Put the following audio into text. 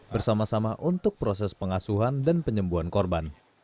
bersama sama untuk proses pengasuhan dan penyembuhan korban